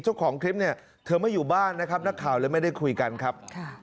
เจ้าของคลิปเนี่ยเธอไม่อยู่บ้านนะครับนักข่าวเลยไม่ได้คุยกันครับ